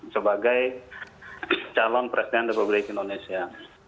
sebagai calon presiden republik indonesia